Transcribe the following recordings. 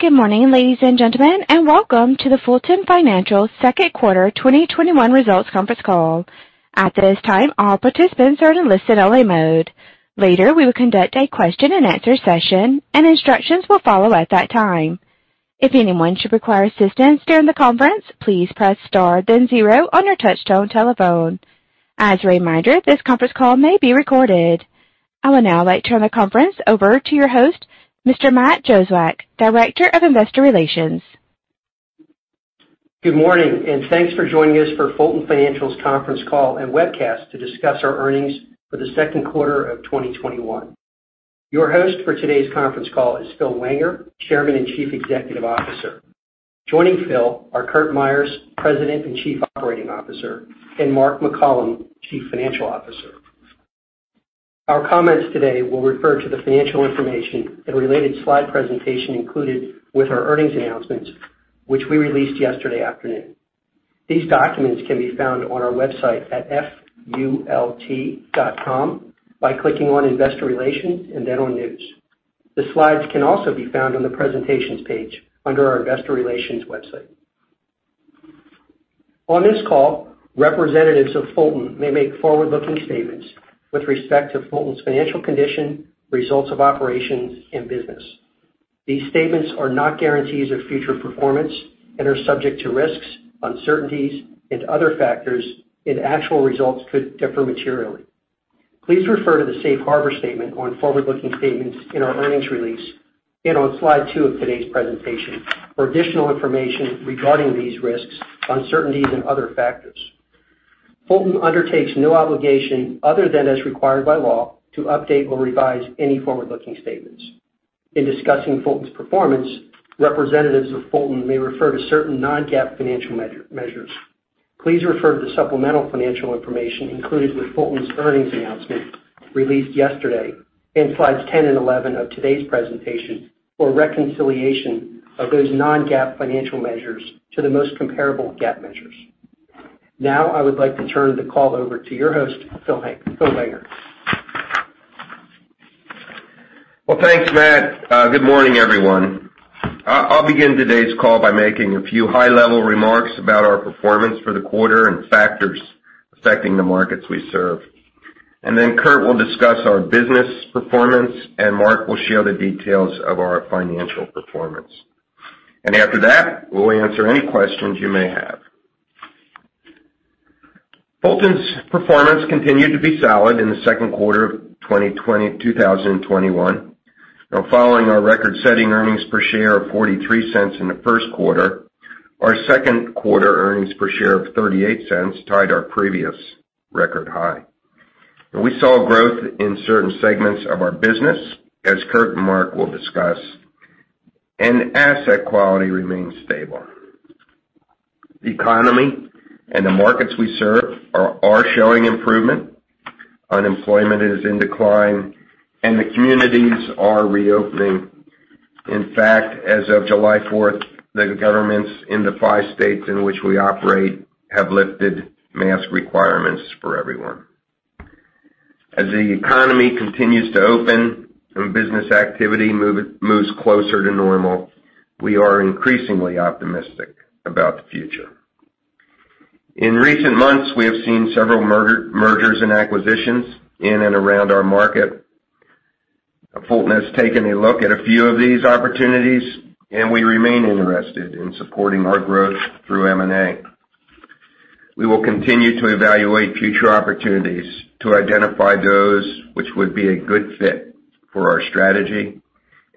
Good morning, ladies and gentlemen, and welcome to the Fulton Financial second quarter 2021 results conference call. At this time, all participants are in listen-only mode. Later, we will conduct a question and answer session, and instructions will follow at that time. If anyone should require assistance during the conference, please press star then zero on your touch-tone telephone. As a reminder, this conference call may be recorded. I would now like to turn the conference over to your host, Mr. Matt Jozwiak, Director of Investor Relations. Good morning, and thanks for joining us for Fulton Financial's conference call and webcast to discuss our earnings for the second quarter of 2021. Your host for today's conference call is Phil Wenger, Chairman and Chief Executive Officer. Joining Phil are Curt Myers, President and Chief Operating Officer, and Mark McCollom, Chief Financial Officer. Our comments today will refer to the financial information and related slide presentation included with our earnings announcements, which we released yesterday afternoon. These documents can be found on our website at fult.com by clicking on Investor Relations and then on News. The slides can also be found on the presentations page under our Investor Relations website. On this call, representatives of Fulton may make forward-looking statements with respect to Fulton's financial condition, results of operations, and business. These statements are not guarantees of future performance and are subject to risks, uncertainties, and other factors, and actual results could differ materially. Please refer to the safe harbor statement on forward-looking statements in our earnings release and on slide two of today's presentation for additional information regarding these risks, uncertainties, and other factors. Fulton undertakes no obligation other than as required by law to update or revise any forward-looking statements. In discussing Fulton's performance, representatives of Fulton may refer to certain non-GAAP financial measures. Please refer to the supplemental financial information included with Fulton's earnings announcement released yesterday in slides 10 and 11 of today's presentation for a reconciliation of those non-GAAP financial measures to the most comparable GAAP measures. Now, I would like to turn the call over to your host, Phil Wenger. Well, thanks, Matt. Good morning, everyone. I'll begin today's call by making a few high-level remarks about our performance for the quarter and factors affecting the markets we serve. Curt will discuss our business performance, and Mark will share the details of our financial performance. After that, we'll answer any questions you may have. Fulton's performance continued to be solid in the second quarter of 2021. Now, following our record-setting earnings per share of $0.43 in the first quarter, our second quarter earnings per share of $0.38 tied our previous record high. We saw growth in certain segments of our business, as Curt and Mark will discuss, and asset quality remains stable. The economy and the markets we serve are showing improvement. Unemployment is in decline, and the communities are reopening. In fact, as of July 4th, the governments in the five states in which we operate have lifted mask requirements for everyone. As the economy continues to open and business activity moves closer to normal, we are increasingly optimistic about the future. In recent months, we have seen several mergers and acquisitions in and around our market. Fulton has taken a look at a few of these opportunities, and we remain interested in supporting our growth through M&A. We will continue to evaluate future opportunities to identify those which would be a good fit for our strategy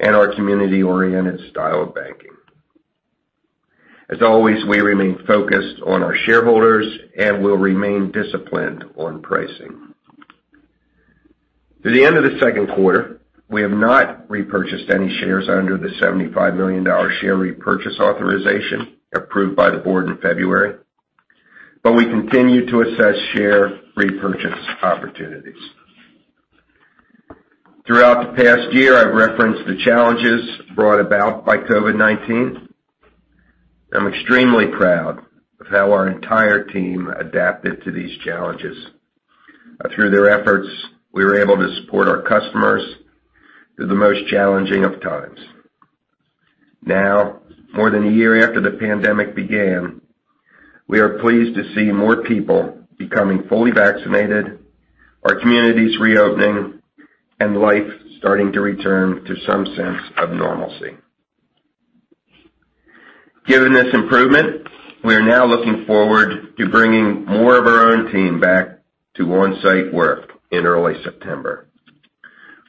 and our community-oriented style of banking. As always, we remain focused on our shareholders and will remain disciplined on pricing. Through the end of the second quarter, we have not repurchased any shares under the $75 million share repurchase authorization approved by the board in February. We continue to assess share repurchase opportunities. Throughout the past year, I've referenced the challenges brought about by COVID-19. I'm extremely proud of how our entire team adapted to these challenges. Through their efforts, we were able to support our customers through the most challenging of times. Now, more than a year after the pandemic began, we are pleased to see more people becoming fully vaccinated, our communities reopening, and life starting to return to some sense of normalcy. Given this improvement, we are now looking forward to bringing more of our own team back to on-site work in early September.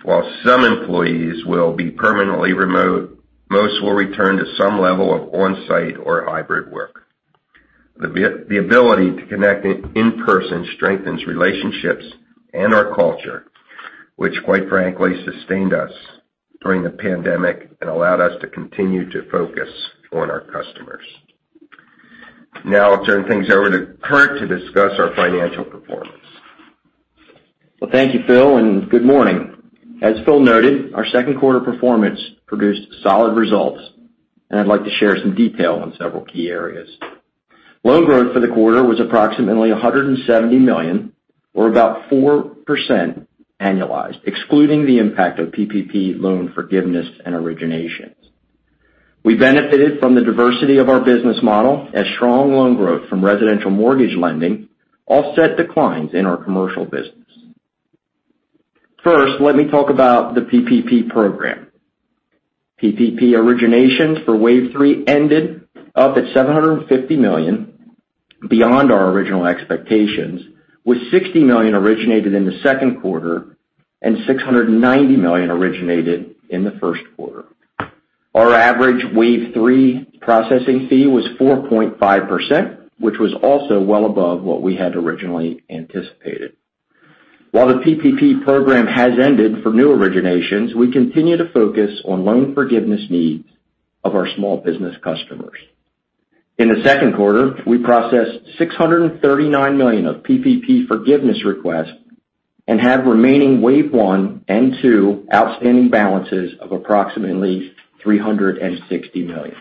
While some employees will be permanently remote, most will return to some level of on-site or hybrid work. The ability to connect in-person strengthens relationships and our culture, which quite frankly, sustained us during the pandemic and allowed us to continue to focus on our customers. I'll turn things over to Curt to discuss our financial performance. Thank you, Phil, and good morning. As Phil noted, our second quarter performance produced solid results, and I'd like to share some detail on several key areas. Loan growth for the quarter was approximately $170 million, or about 4% annualized, excluding the impact of PPP loan forgiveness and originations. We benefited from the diversity of our business model as strong loan growth from residential mortgage lending offset declines in our commercial business. Let me talk about the PPP program. PPP originations for Wave 3 ended up at $750 million, beyond our original expectations, with $60 million originated in the second quarter, and $690 million originated in the first quarter. Our average Wave 3 processing fee was 4.5%, which was also well above what we had originally anticipated. While the PPP program has ended for new originations, we continue to focus on loan forgiveness needs of our small business customers. In the second quarter, we processed $639 million of PPP forgiveness requests and have remaining Wave 1 and Wave 2 outstanding balances of approximately $360 million.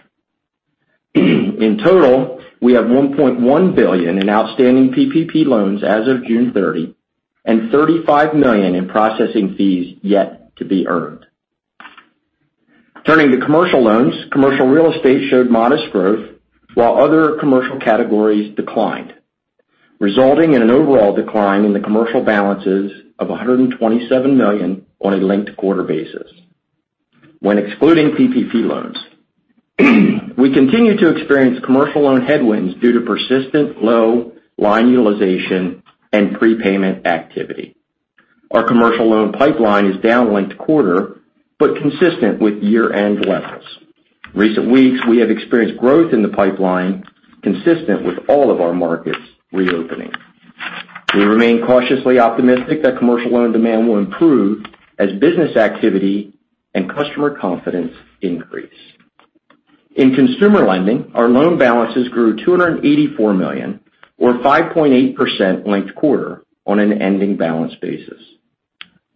In total, we have $1.1 billion in outstanding PPP loans as of June 30, and $35 million in processing fees yet to be earned. Turning to commercial loans, commercial real estate showed modest growth while other commercial categories declined, resulting in an overall decline in the commercial balances of $127 million on a linked quarter basis when excluding PPP loans. We continue to experience commercial loan headwinds due to persistent low line utilization and prepayment activity. Our commercial loan pipeline is down linked quarter, but consistent with year-end levels. Recent weeks, we have experienced growth in the pipeline consistent with all of our markets reopening. We remain cautiously optimistic that commercial loan demand will improve as business activity and customer confidence increase. In consumer lending, our loan balances grew to $284 million or 5.8% linked quarter on an ending balance basis.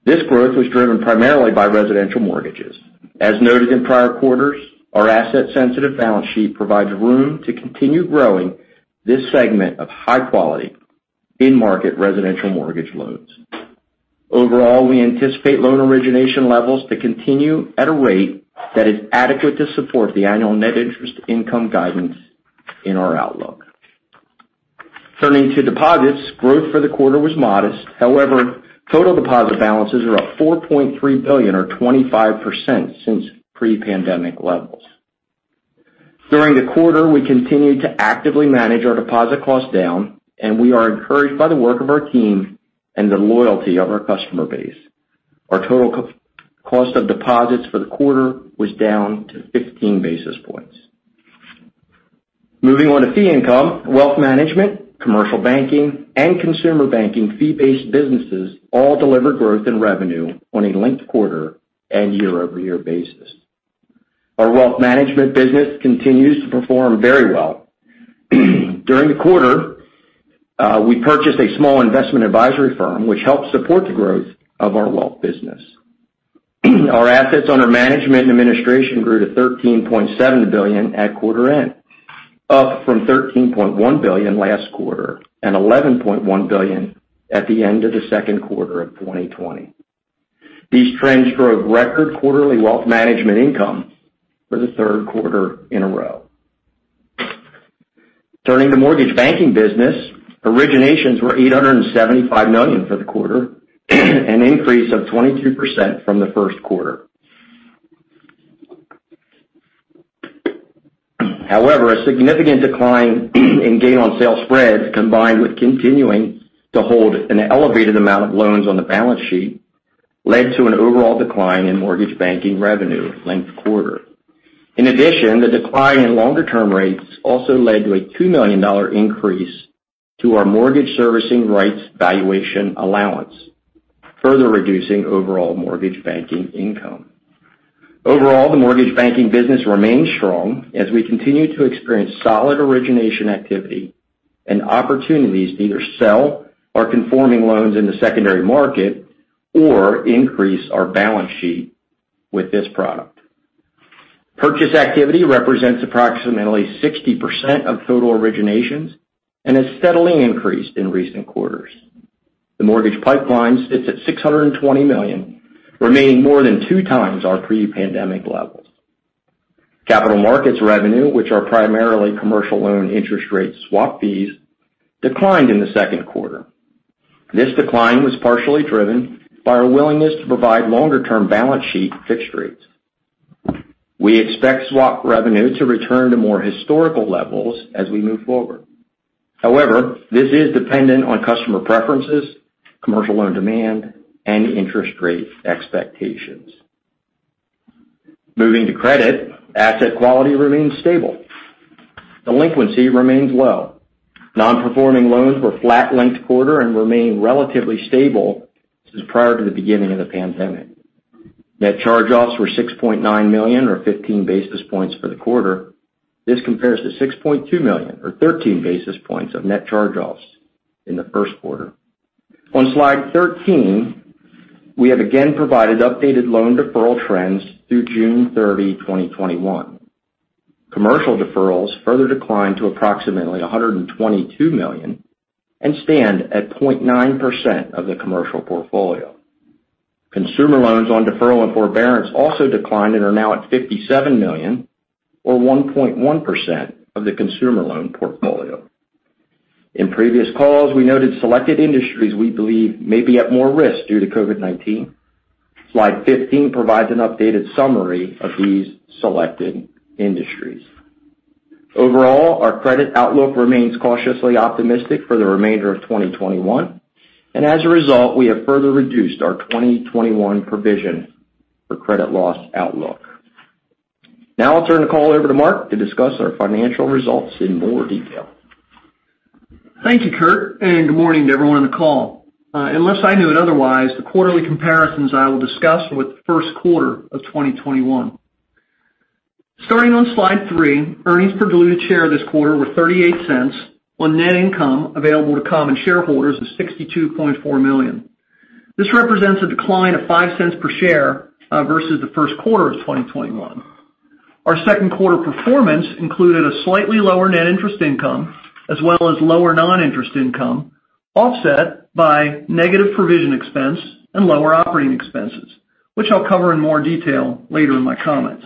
This growth was driven primarily by residential mortgages. As noted in prior quarters, our asset-sensitive balance sheet provides room to continue growing this segment of high-quality in-market residential mortgage loans. Overall, we anticipate loan origination levels to continue at a rate that is adequate to support the annual net interest income guidance in our outlook. Turning to deposits, growth for the quarter was modest. However, total deposit balances are up $4.3 billion or 25% since pre-pandemic levels. During the quarter, we continued to actively manage our deposit costs down, and we are encouraged by the work of our team and the loyalty of our customer base. Our total cost of deposits for the quarter was down to 15 basis points. Moving on to fee income. Wealth management, commercial banking, and consumer banking fee-based businesses all delivered growth in revenue on a linked quarter and year-over-year basis. Our wealth management business continues to perform very well. During the quarter, we purchased a small investment advisory firm which helped support the growth of our wealth business. Our assets under management and administration grew to $13.7 billion at quarter end, up from $13.1 billion last quarter and $11.1 billion at the end of the second quarter of 2020. These trends drove record quarterly wealth management income for the third quarter in a row. Turning to mortgage banking business, originations were $875 million for the quarter, an increase of 22% from the first quarter. A significant decline in gain-on-sale spreads, combined with continuing to hold an elevated amount of loans on the balance sheet, led to an overall decline in mortgage banking revenue linked quarter. In addition, the decline in longer-term rates also led to a $2 million increase to our mortgage servicing rights valuation allowance, further reducing overall mortgage banking income. Overall, the mortgage banking business remains strong as we continue to experience solid origination activity and opportunities to either sell our conforming loans in the secondary market or increase our balance sheet with this product. Purchase activity represents approximately 60% of total originations and has steadily increased in recent quarters. The mortgage pipeline sits at $620 million, remaining more than two times our pre-pandemic levels. Capital markets revenue, which are primarily commercial loan interest rate swap fees, declined in the second quarter. This decline was partially driven by our willingness to provide longer-term balance sheet fixed rates. We expect swap revenue to return to more historical levels as we move forward. However, this is dependent on customer preferences, commercial loan demand, and interest rate expectations. Moving to credit. Asset quality remains stable. Delinquency remains low. Non-performing loans were flat linked quarter and remain relatively stable since prior to the beginning of the pandemic. Net charge-offs were $6.9 million or 15 basis points for the quarter. This compares to $6.2 million or 13 basis points of net charge-offs in the first quarter. On slide 13, we have again provided updated loan deferral trends through June 30, 2021. Commercial deferrals further declined to approximately $122 million and stand at 0.9% of the commercial portfolio. Consumer loans on deferral and forbearance also declined and are now at $57 million, or 1.1% of the consumer loan portfolio. In previous calls, we noted selected industries we believe may be at more risk due to COVID-19. Slide 15 provides an updated summary of these selected industries. Overall, our credit outlook remains cautiously optimistic for the remainder of 2021, and as a result, we have further reduced our 2021 provision for credit loss outlook. Now I'll turn the call over to Mark to discuss our financial results in more detail. Thank you, Curt. Good morning to everyone on the call. Unless I knew it otherwise, the quarterly comparisons I will discuss were the first quarter of 2021. Starting on slide three, earnings per diluted share this quarter were $0.38 on net income available to common shareholders of $62.4 million. This represents a decline of $0.05 per share versus the first quarter of 2021. Our second quarter performance included a slightly lower net interest income, as well as lower non-interest income, offset by negative provision expense and lower operating expenses, which I'll cover in more detail later in my comments.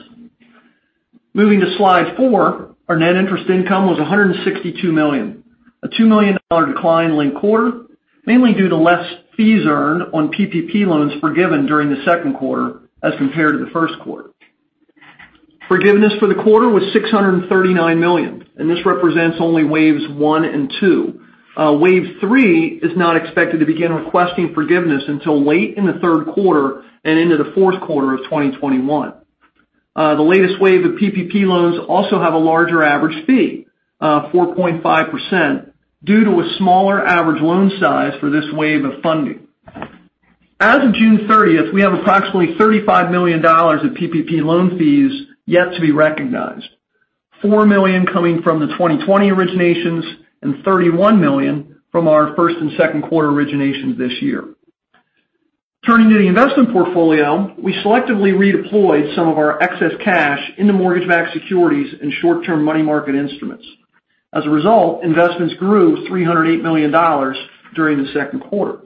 Moving to slide four, our net interest income was $162 million, a $2 million decline linked quarter, mainly due to less fees earned on PPP loans forgiven during the second quarter as compared to the first quarter. Forgiveness for the quarter was $639 million. This represents only Waves 1 and 2. Wave 3 is not expected to begin requesting forgiveness until late in the third quarter and into the fourth quarter of 2021. The latest wave of PPP loans also have a larger average fee, 4.5%, due to a smaller average loan size for this wave of funding. As of June 30th, we have approximately $35 million of PPP loan fees yet to be recognized, $4 million coming from the 2020 originations and $31 million from our first and second quarter originations this year. Turning to the investment portfolio, we selectively redeployed some of our excess cash into mortgage-backed securities and short-term money market instruments. As a result, investments grew $308 million during the second quarter.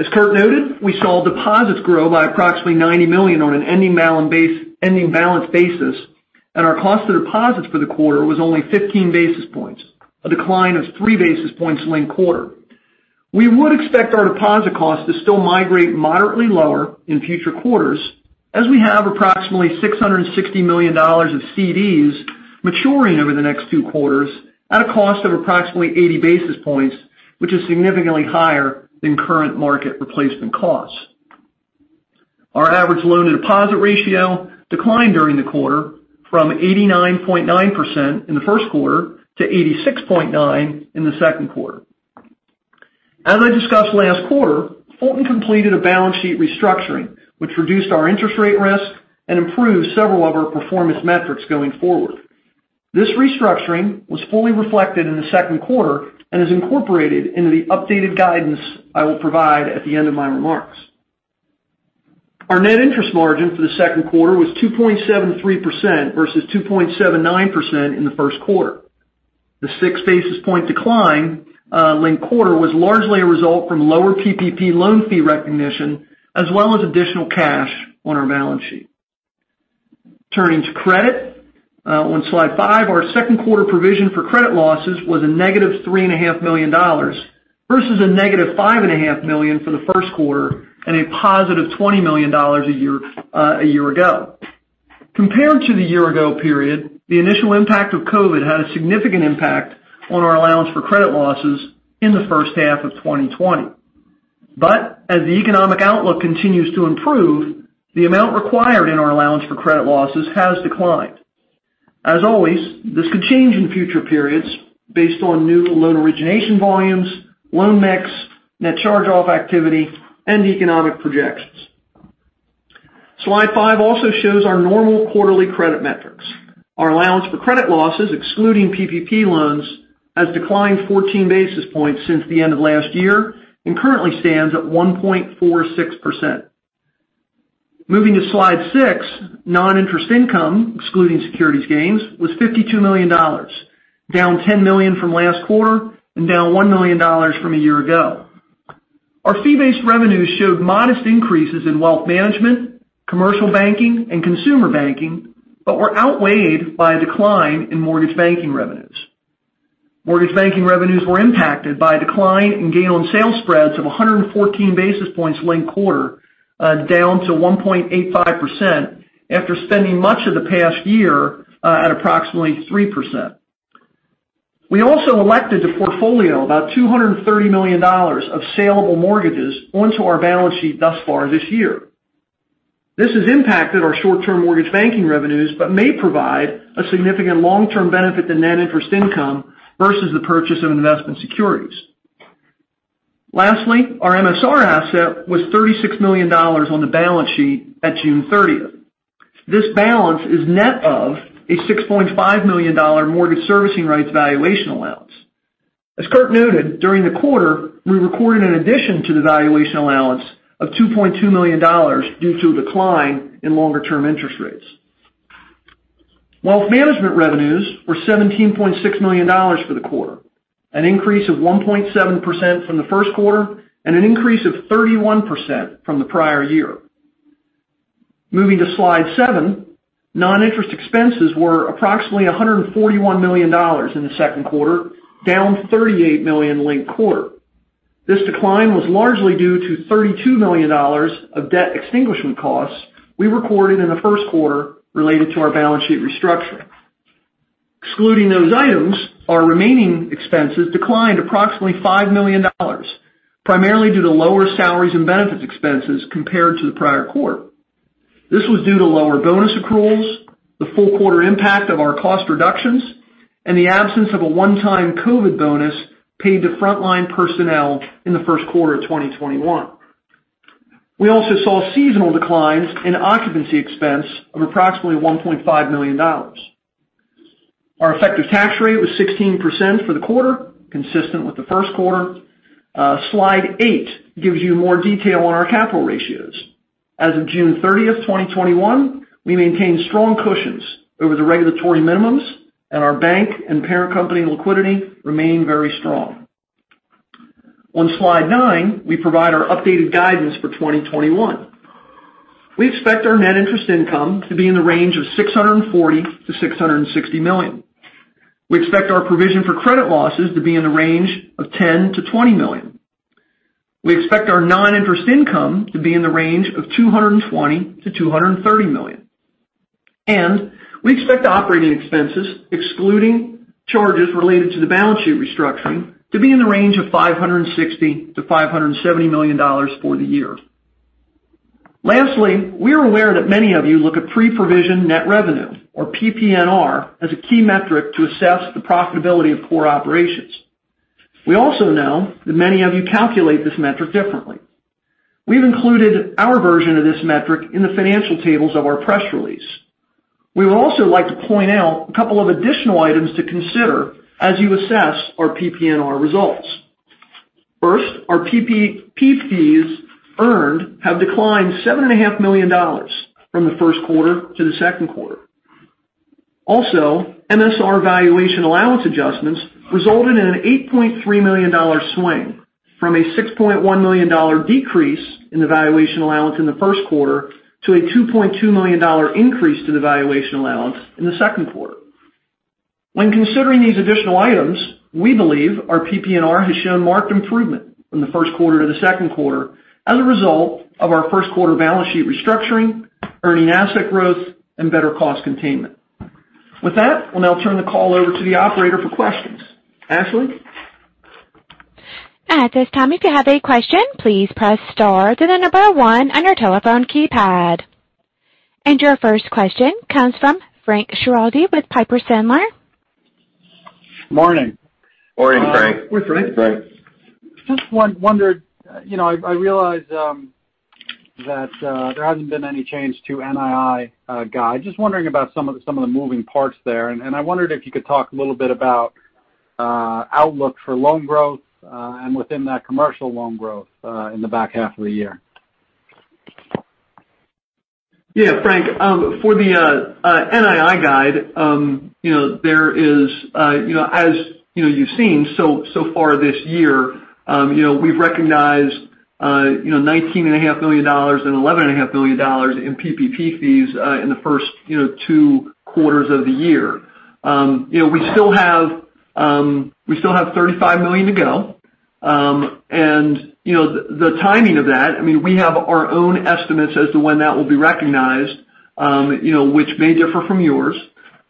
As Curt noted, we saw deposits grow by approximately $90 million on an ending balance basis, and our cost of deposits for the quarter was only 15 basis points, a decline of three basis points linked quarter. We would expect our deposit cost to still migrate moderately lower in future quarters, as we have approximately $660 million of CDs maturing over the next two quarters at a cost of approximately 80 basis points, which is significantly higher than current market replacement costs. Our average loan-to-deposit ratio declined during the quarter from 89.9% in the first quarter to 86.9% in the second quarter. As I discussed last quarter, Fulton completed a balance sheet restructuring, which reduced our interest rate risk and improved several of our performance metrics going forward. This restructuring was fully reflected in the second quarter and is incorporated into the updated guidance I will provide at the end of my remarks. Our net interest margin for the second quarter was 2.73% versus 2.79% in the first quarter. The six basis point decline linked quarter was largely a result from lower PPP loan fee recognition, as well as additional cash on our balance sheet. Turning to credit, on slide five, our second quarter provision for credit losses was a -$3.5 million versus a -$5.5 million for the first quarter and a +$20 million a year ago. Compared to the year-ago period, the initial impact of COVID-19 had a significant impact on our allowance for credit losses in the first half of 2020. As the economic outlook continues to improve, the amount required in our allowance for credit losses has declined. As always, this could change in future periods based on new loan origination volumes, loan mix, net charge-off activity, and economic projections. Slide five also shows our normal quarterly credit metrics. Our allowance for credit losses, excluding PPP loans, has declined 14 basis points since the end of last year and currently stands at 1.46%. Moving to slide six, non-interest income, excluding securities gains, was $52 million. Down $10 million from last quarter and down $1 million from a year ago. Our fee-based revenues showed modest increases in wealth management, commercial banking, and consumer banking, but were outweighed by a decline in mortgage banking revenues. Mortgage banking revenues were impacted by a decline in gain-on-sale spreads of 114 basis points linked quarter, down to 1.85% after spending much of the past year at approximately 3%. We also elected to portfolio about $230 million of saleable mortgages onto our balance sheet thus far this year. This has impacted our short-term mortgage banking revenues but may provide a significant long-term benefit to net interest income versus the purchase of investment securities. Lastly, our MSR asset was $36 million on the balance sheet at June 30th. This balance is net of a $6.5 million mortgage servicing rights valuation allowance. As Curt noted, during the quarter, we recorded an addition to the valuation allowance of $2.2 million due to a decline in longer-term interest rates. Wealth management revenues were $17.6 million for the quarter, an increase of 1.7% from the first quarter and an increase of 31% from the prior year. Moving to slide seven, non-interest expenses were approximately $141 million in the second quarter, down $18 million linked quarter. This decline was largely due to $32 million of debt extinguishment costs we recorded in the first quarter related to our balance sheet restructuring. Excluding those items, our remaining expenses declined approximately $5 million, primarily due to lower salaries and benefits expenses compared to the prior quarter. This was due to lower bonus accruals, the full quarter impact of our cost reductions, and the absence of a one-time COVID bonus paid to frontline personnel in the first quarter of 2021. We also saw seasonal declines in occupancy expense of approximately $1.5 million. Our effective tax rate was 16% for the quarter, consistent with the first quarter. Slide eight gives you more detail on our capital ratios. As of June 30th, 2021, we maintained strong cushions over the regulatory minimums, our bank and parent company liquidity remain very strong. On slide nine, we provide our updated guidance for 2021. We expect our net interest income to be in the range of $640 million-$660 million. We expect our provision for credit losses to be in the range of $10 million-$20 million. We expect our non-interest income to be in the range of $220 million-$230 million. We expect operating expenses, excluding charges related to the balance sheet restructuring, to be in the range of $560 million-$570 million for the year. Lastly, we're aware that many of you look at pre-provision net revenue, or PPNR, as a key metric to assess the profitability of core operations. We also know that many of you calculate this metric differently. We've included our version of this metric in the financial tables of our press release. We would also like to point out a couple of additional items to consider as you assess our PPNR results. First, our PPP fees earned have declined $7.5 million from the first quarter to the second quarter. Also, MSR valuation allowance adjustments resulted in an $8.3 million swing from a $6.1 million decrease in the valuation allowance in the first quarter to a $2.2 million increase to the valuation allowance in the second quarter. When considering these additional items, we believe our PPNR has shown marked improvement from the first quarter to the second quarter as a result of our first quarter balance sheet restructuring, earning asset growth, and better cost containment. With that, we'll now turn the call over to the operator for questions. Ashley? At this time, if you have a question, please press star then number one on your telephone keypad. Your first question comes from Frank Schiraldi with Piper Sandler. Morning. Morning, Frank. Morning, Frank. Just wondered, I realize that there hasn't been any change to NII guide. Just wondering about some of the moving parts there, and I wondered if you could talk a little bit about outlook for loan growth, and within that, commercial loan growth in the back half of the year. Yeah, Frank, for the NII guide, as you've seen so far this year, we've recognized $19.5 million and $11.5 million in PPP fees in the first two quarters of the year. We still have $35 million to go. The timing of that, we have our own estimates as to when that will be recognized, which may differ from yours.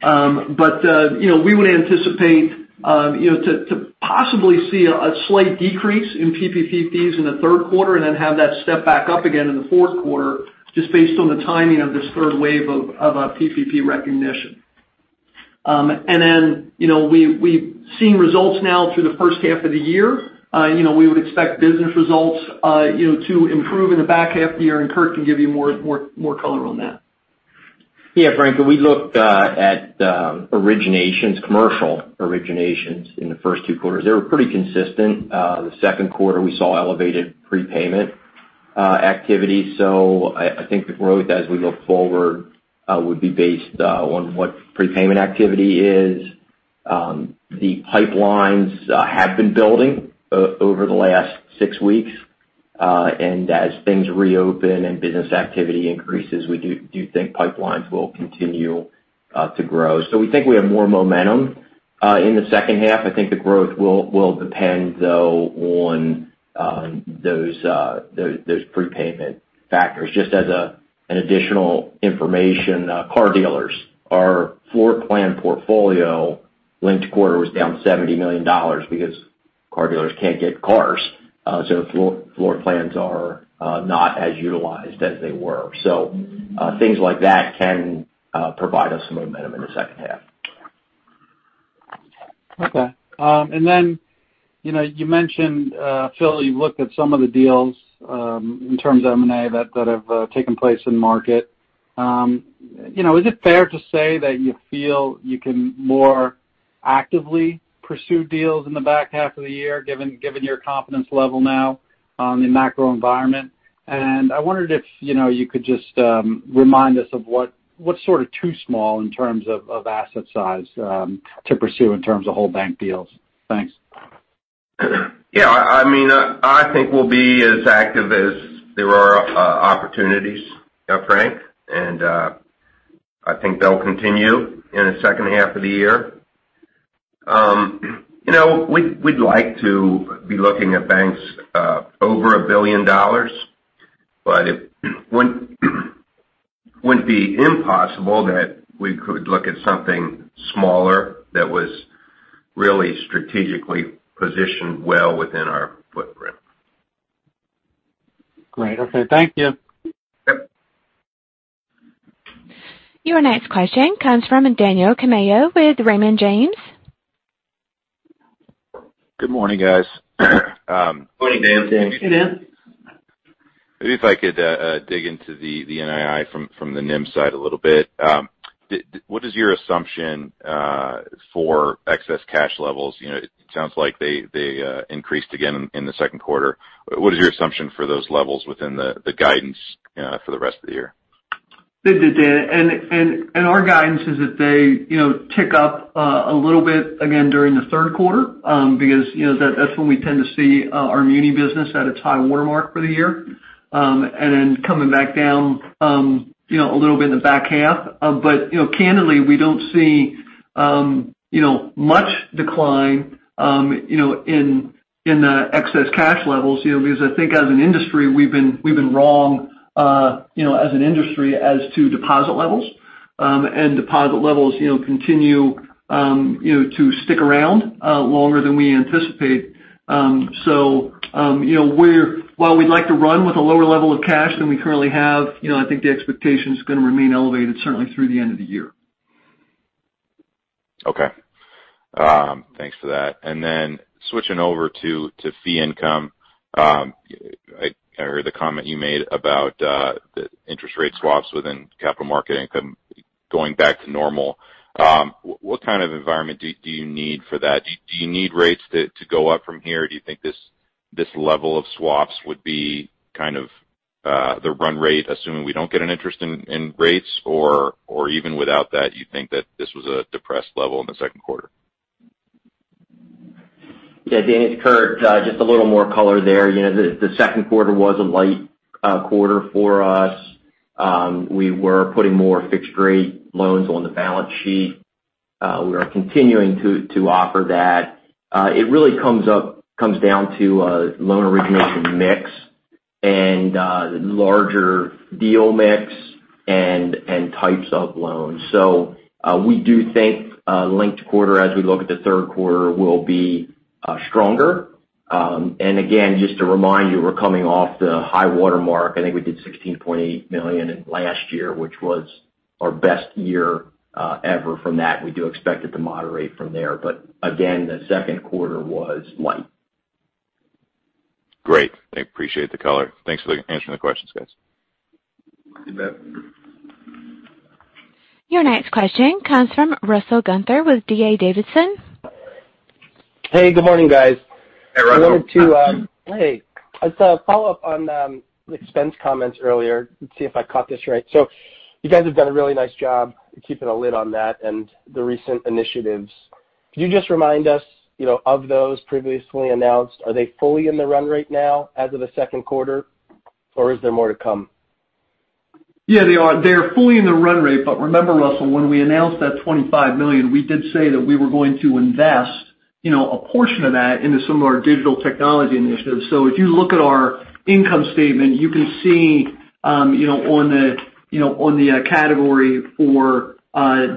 We would anticipate to possibly see a slight decrease in PPP fees in the third quarter and then have that step back up again in the fourth quarter just based on the timing of this third wave of PPP recognition. We've seen results now through the first half of the year. We would expect business results to improve in the back half of the year, and Curt can give you more color on that. Yeah, Frank. We looked at originations, commercial originations in the first two quarters. They were pretty consistent. The second quarter, we saw elevated prepayment activity. I think the growth as we look forward would be based on what prepayment activity is. The pipelines have been building over the last six weeks. As things reopen and business activity increases, we do think pipelines will continue to grow. We think we have more momentum in the second half. I think the growth will depend, though, on those prepayment factors. Just as an additional information, car dealers. Our floor plan portfolio linked quarter was down $70 million because car dealers can't get cars. Floor plans are not as utilized as they were. Things like that can provide us some momentum in the second half. Okay. Then you mentioned, Phil, you've looked at some of the deals in terms of M&A that have taken place in the market. Is it fair to say that you feel you can more actively pursue deals in the back half of the year, given your confidence level now in the macro environment? I wondered if you could just remind us of what's sort of too small in terms of asset size to pursue in terms of whole bank deals. Thanks. Yeah. I think we'll be as active as there are opportunities, Frank, and I think they'll continue in the second half of the year. We'd like to be looking at banks over $1 billion, but it wouldn't be impossible that we could look at something smaller that was really strategically positioned well within our footprint. Great. Okay. Thank you. Yep. Your next question comes from Daniel Tamayo with Raymond James. Good morning, guys. Morning, Dan. Hey, Dan. Maybe if I could dig into the NII from the NIM side a little bit. What is your assumption for excess cash levels? It sounds like they increased again in the second quarter. What is your assumption for those levels within the guidance for the rest of the year? Dan, our guidance is that they tick up a little bit again during the third quarter because that's when we tend to see our muni business at its high watermark for the year. Then coming back down a little bit in the back half. Candidly, we don't see much decline in the excess cash levels because I think as an industry, we've been wrong as an industry as to deposit levels. Deposit levels continue to stick around longer than we anticipate. While we'd like to run with a lower level of cash than we currently have, I think the expectation is going to remain elevated certainly through the end of the year. Okay. Thanks for that. Then switching over to fee income. I heard the comment you made about the interest rate swaps within capital markets income going back to normal. What kind of environment do you need for that? Do you need rates to go up from here, or do you think this level of swaps would be kind of the run rate, assuming we don't get an interest in rates? Or even without that, do you think that this was a depressed level in the second quarter? Yeah, Dan, it's Curt. Just a little more color there. The second quarter was a light quarter for us. We were putting more fixed-rate loans on the balance sheet. We are continuing to offer that. It really comes down to a loan origination mix and larger deal mix and types of loans. We do think linked quarter, as we look at the third quarter, will be stronger. Again, just to remind you, we're coming off the high watermark. I think we did $16.8 million in last year, which was our best year ever from that. We do expect it to moderate from there. Again, the second quarter was light. Great. I appreciate the color. Thanks for answering the questions, guys. You bet. Your next question comes from Russell Gunther with D.A. Davidson. Hey, good morning, guys. Hey, Russell. I just follow up on the expense comments earlier and see if I caught this right. You guys have done a really nice job keeping a lid on that and the recent initiatives. Could you just remind us of those previously announced, are they fully in the run rate now as of the second quarter, or is there more to come? Yeah, they are. They are fully in the run rate. Remember, Russell, when we announced that $25 million, we did say that we were going to invest a portion of that into some of our digital technology initiatives. If you look at our income statement, you can see on the category for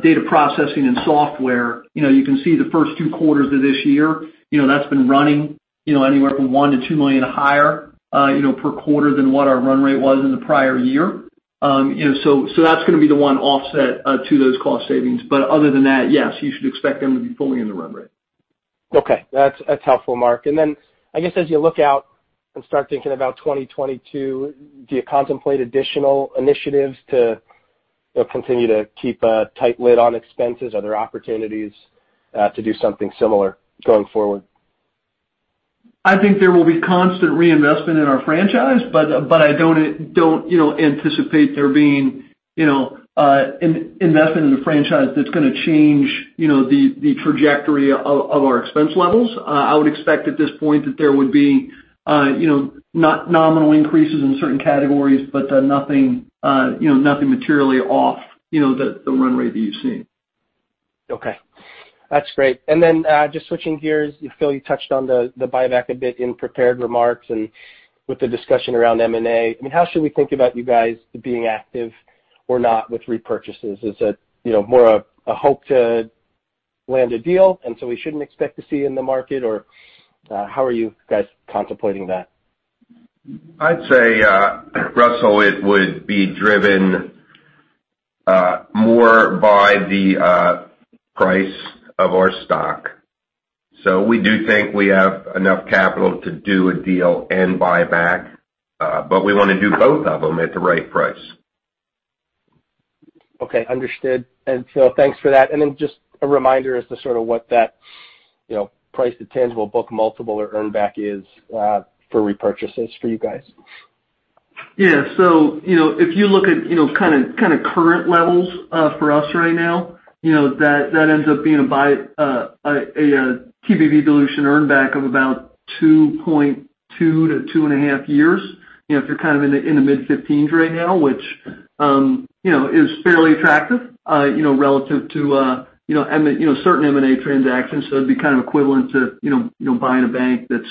data processing and software, you can see the first two quarters of this year. That's been running anywhere from $1 million-$2 million higher per quarter than what our run rate was in the prior year. That's going to be the one offset to those cost savings. Other than that, yes, you should expect them to be fully in the run rate. Okay. That's helpful, Mark. I guess as you look out and start thinking about 2022, do you contemplate additional initiatives to continue to keep a tight lid on expenses? Are there opportunities to do something similar going forward? I think there will be constant reinvestment in our franchise, but I don't anticipate there being investment in the franchise that's going to change the trajectory of our expense levels. I would expect at this point that there would be not nominal increases in certain categories, but nothing materially off the run rate that you've seen. Okay. That's great. Then just switching gears. Phil, you touched on the buyback a bit in prepared remarks and with the discussion around M&A. How should we think about you guys being active or not with repurchases? Is it more a hope to land a deal and so we shouldn't expect to see you in the market? How are you guys contemplating that? I'd say, Russell, it would be driven more by the price of our stock. We do think we have enough capital to do a deal and buy back. We want to do both of them at the right price. Okay, understood. Phil, thanks for that. Just a reminder as to sort of what that price to tangible book multiple or earn back is for repurchases for you guys. If you look at kind of current levels for us right now, that ends up being a TBV dilution earn back of about 2.2 to two and a half years. If you're kind of in the mid-15s right now, which is fairly attractive relative to certain M&A transactions. It'd be kind of equivalent to buying a bank that's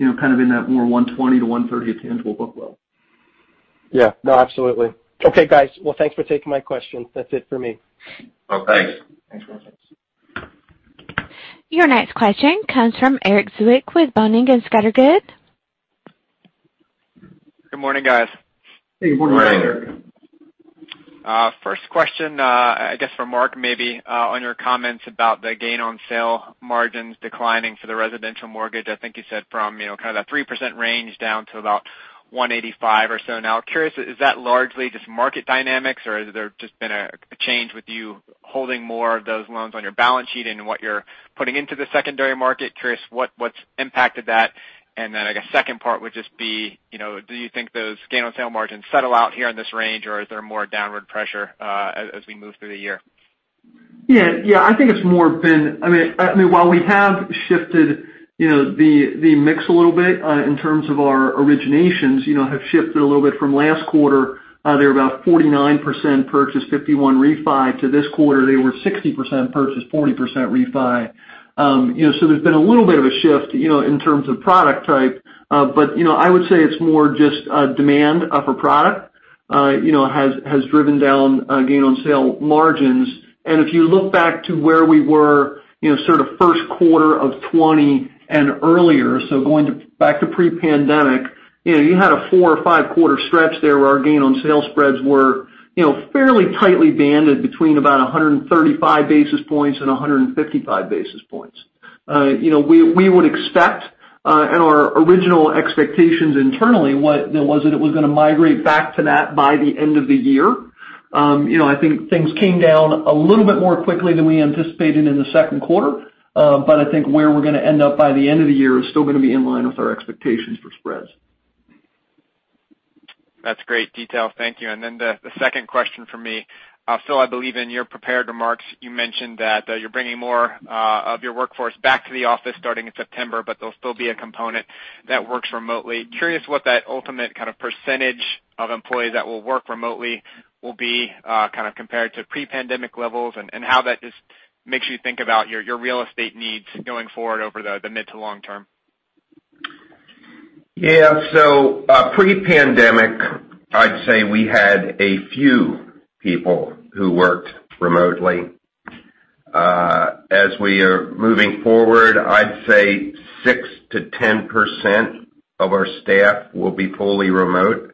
kind of in that more 120-130 tangible book level. Yeah. No, absolutely. Okay, guys. Well, thanks for taking my questions. That's it for me. Oh, thanks. Thanks. Your next question comes from Erik Zwick with Boenning & Scattergood. Good morning, guys. Hey, good morning, Erik. Morning. First question, I guess for Mark maybe, on your comments about the gain-on-sale margins declining for the residential mortgage. I think you said from kind of that 3% range down to about 185 basis points or so now. Curious, is that largely just market dynamics or has there just been a change with you holding more of those loans on your balance sheet and what you're putting into the secondary market? Curious what's impacted that. I guess second part would just be, do you think those gain-on-sale margins settle out here in this range or is there more downward pressure as we move through the year? I think it's more been, while we have shifted the mix a little bit in terms of our originations, have shifted a little bit from last quarter. They were about 49% purchase, 51% refi. To this quarter, they were 60% purchase, 40% refi. There's been a little bit of a shift in terms of product type. I would say it's more just a demand for product has driven down gain-on-sale margins. If you look back to where we were sort of first quarter of 2020 and earlier, going back to pre-pandemic, you had a four or five-quarter stretch there where our gain-on-sale spreads were fairly tightly banded between about 135 basis points and 155 basis points. We would expect, our original expectations internally was that it was going to migrate back to that by the end of the year. I think things came down a little bit more quickly than we anticipated in the second quarter. I think where we're going to end up by the end of the year is still going to be in line with our expectations for spreads. That's great detail. Thank you. The second question from me. Phil, I believe in your prepared remarks, you mentioned that you're bringing more of your workforce back to the office starting in September, but there'll still be a component that works remotely. Curious what that ultimate percentage of employees that will work remotely will be compared to pre-pandemic levels and how that just makes you think about your real estate needs going forward over the mid to long term. Pre-pandemic, I'd say we had a few people who worked remotely. As we are moving forward, I'd say 6%-10% of our staff will be fully remote.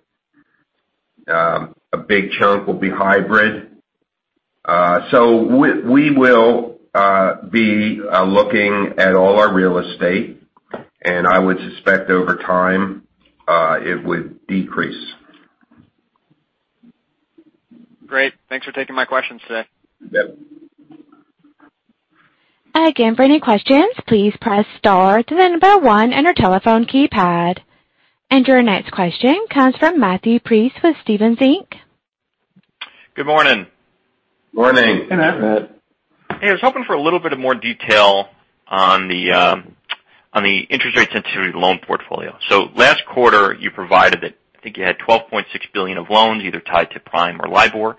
A big chunk will be hybrid. We will be looking at all our real estate, and I would suspect over time it would decrease. Great. Thanks for taking my questions today. Yep. Again, for any questions, please press star, then number one on your telephone keypad. Your next question comes from Matthew Breese with Stephens Inc. Good morning. Morning. Hey, Matt. Hey, I was hoping for a little bit of more detail on the interest rate-sensitive loan portfolio. Last quarter you provided that I think you had $12.6 billion of loans either tied to Prime or LIBOR.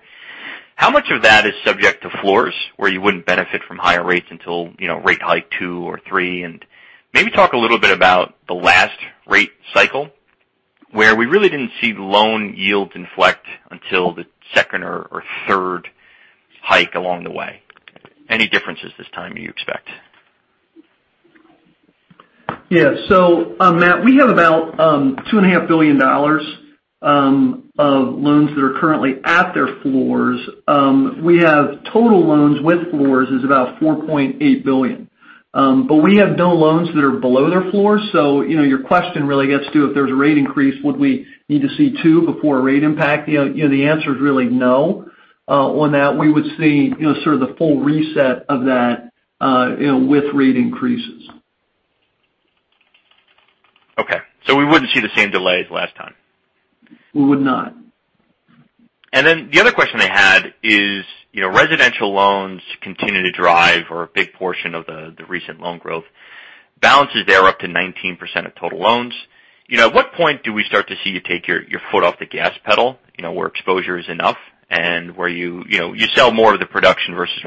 How much of that is subject to floors where you wouldn't benefit from higher rates until rate hike two or three? Maybe talk a little bit about the last rate cycle where we really didn't see loan yields inflect until the second or third hike along the way. Any differences this time you expect? Yeah. Matt, we have about $2.5 billion of loans that are currently at their floors. We have total loans with floors is about $4.8 billion. We have no loans that are below their floors. Your question really gets to if there's a rate increase, would we need to see two before a rate impact? The answer is really no on that. We would see sort of the full reset of that with rate increases. Okay. We wouldn't see the same delays last time? We would not. The other question I had is, residential loans continue to drive or a big portion of the recent loan growth. Balances there are up to 19% of total loans. At what point do we start to see you take your foot off the gas pedal where exposure is enough and where you sell more of the production versus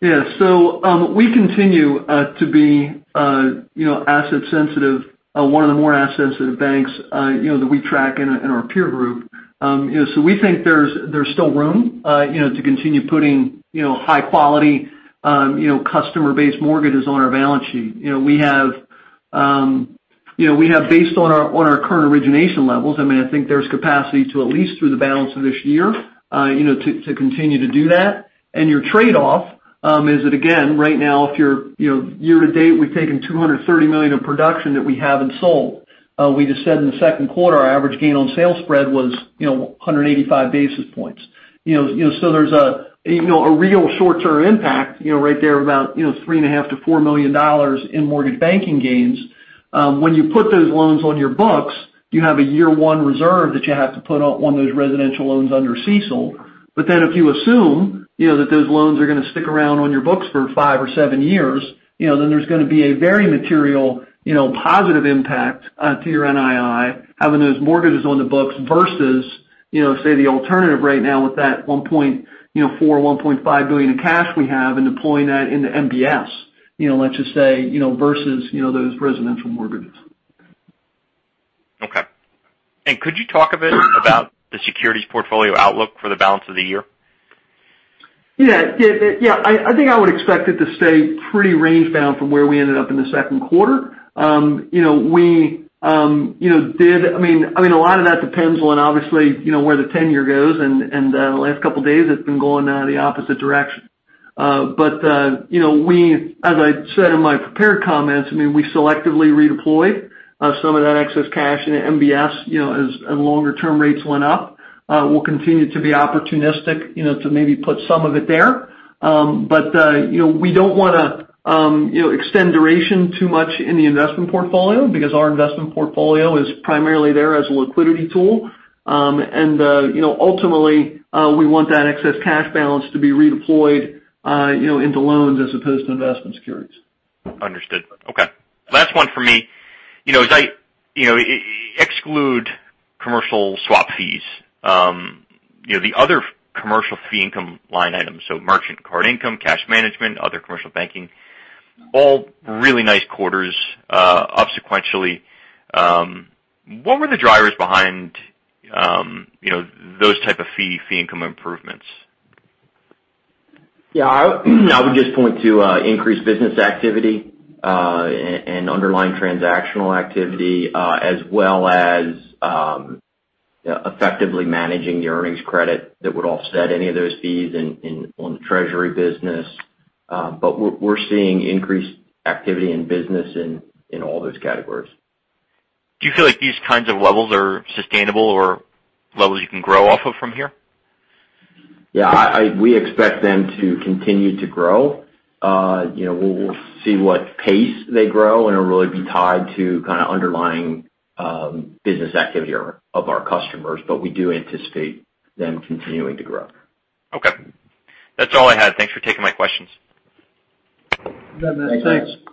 retaining? We continue to be asset sensitive. One of the more asset-sensitive banks that we track in our peer group. We think there's still room to continue putting high quality customer-based mortgages on our balance sheet. We have based on our current origination levels, I think there's capacity to at least through the balance of this year, to continue to do that. Your trade-off, is that again, right now, year-to-date, we've taken $230 million of production that we haven't sold. We just said in the second quarter, our average gain-on-sale spread was 185 basis points. There's a real short-term impact right there about $3.5 million-$4 million in mortgage banking gains. When you put those loans on your books, you have a year one reserve that you have to put on those residential loans under CECL. If you assume that those loans are going to stick around on your books for five or seven years, then there's going to be a very material positive impact to your NII, having those mortgages on the books versus, say the alternative right now with that $1.4 billion or $1.5 billion in cash we have and deploying that into MBS. Let's just say, versus those residential mortgages. Okay. Could you talk a bit about the securities portfolio outlook for the balance of the year? Yeah. I think I would expect it to stay pretty range-bound from where we ended up in the second quarter. A lot of that depends on obviously, where the 10-year goes, and the last couple of days it's been going the opposite direction. As I said in my prepared comments, we selectively redeployed some of that excess cash into MBS as longer-term rates went up. We'll continue to be opportunistic to maybe put some of it there. We don't want to extend duration too much in the investment portfolio because our investment portfolio is primarily there as a liquidity tool. Ultimately, we want that excess cash balance to be redeployed into loans as opposed to investment securities. Understood. Okay. Last one for me. As I exclude commercial swap fees, the other commercial fee income line items, so merchant card income, cash management, other commercial banking, all really nice quarters, up sequentially. What were the drivers behind those type of fee income improvements? Yeah. I would just point to increased business activity, and underlying transactional activity, as well as effectively managing the earnings credit that would offset any of those fees on the treasury business. We're seeing increased activity in business in all those categories. Do you feel like these kinds of levels are sustainable or levels you can grow off of from here? Yeah. We expect them to continue to grow. We'll see what pace they grow, and it'll really be tied to kind of underlying business activity of our customers. We do anticipate them continuing to grow. Okay. That's all I had. Thanks for taking my questions. You bet, Matt. Thanks. Thanks, Matt.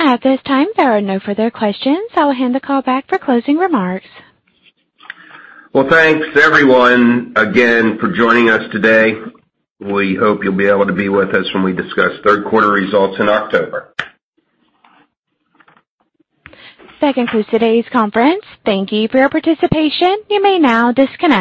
At this time, there are no further questions. I'll hand the call back for closing remarks. Well, thanks everyone again for joining us today. We hope you'll be able to be with us when we discuss third quarter results in October. That concludes today's conference. Thank you for your participation. You may now disconnect.